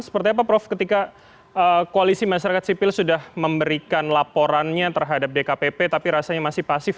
seperti apa prof ketika koalisi masyarakat sipil sudah memberikan laporannya terhadap dkpp tapi rasanya masih pasif